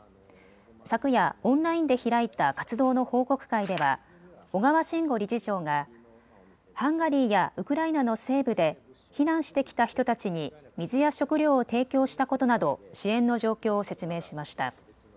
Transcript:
昨夜、オンラインで開いた活動の報告会では小川真吾理事長がハンガリーやウクライナの西部で避難してきた人たちに水や食料を提供したことなど支援の状況を説明しました。